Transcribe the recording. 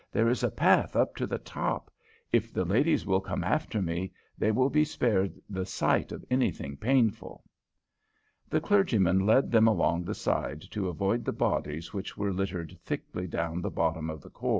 There is a path up to the top. If the ladies will come after me, they will be spared the sight of anything painful." The clergyman led them along the side to avoid the bodies which were littered thickly down the bottom of the khor.